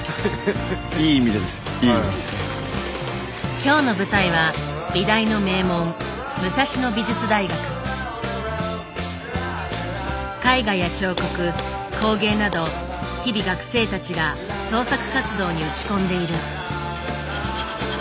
今日の舞台は美大の名門絵画や彫刻工芸など日々学生たちが創作活動に打ち込んでいる。